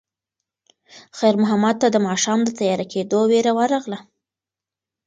خیر محمد ته د ماښام د تیاره کېدو وېره ورغله.